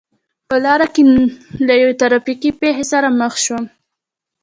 په لار کې له یوې ترا فیکې پېښې سره مخ شوم.